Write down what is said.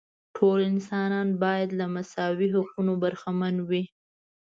ټول انسانان باید له مساوي حقوقو برخمن وي.